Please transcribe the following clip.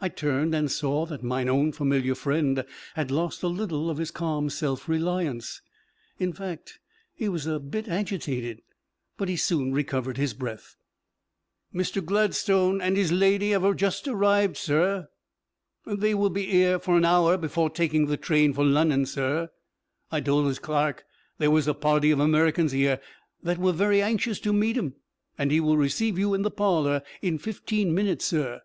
I turned and saw that mine own familiar friend had lost a little of his calm self reliance in fact, he was a bit agitated, but he soon recovered his breath. "Mr. Gladstone and 'is Lady 'ave just arrived, sir they will be 'ere for an hour before taking the train for Lunnon, sir. I told 'is clark there was a party of Americans 'ere that were very anxious to meet 'im, and he will receive you in the parlor in fifteen minutes, sir."